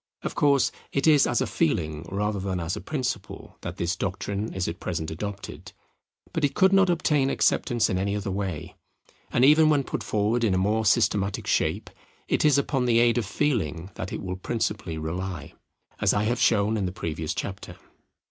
Of course it is as a feeling rather than as a principle that this doctrine is at present adopted; but it could not obtain acceptance in any other way; and even when put forward in a more systematic shape, it is upon the aid of feeling that it will principally rely, as I have shown in the previous chapter.